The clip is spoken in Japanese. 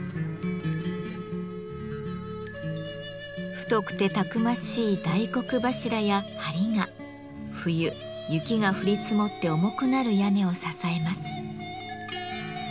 太くてたくましい大黒柱や梁が冬雪が降り積もって重くなる屋根を支えます。